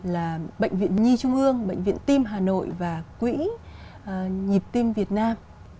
là bệnh viện nhi trung ương bệnh viện tim hà nội và quỹ nhịp tim việt nam